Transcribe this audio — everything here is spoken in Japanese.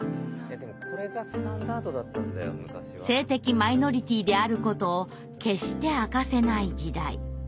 性的マイノリティーであることを決して明かせない時代。